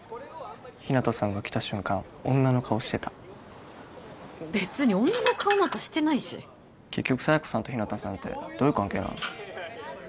日向さんが来た瞬間女の顔してた別に女の顔なんかしてないし結局佐弥子さんと日向さんってどういう関係なの？